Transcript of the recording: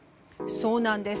そうなんです。